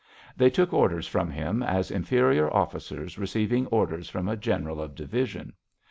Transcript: They took orders from him as inferior officers receiving orders from a general of division.